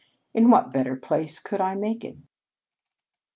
"In what better place could I make it?"